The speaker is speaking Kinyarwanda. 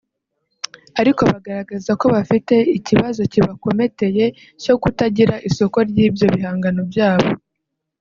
ariko bagaragaza ko bafite ikibazo kibakometeye cyo kutagira isoko ry’ibyo bihangano byabo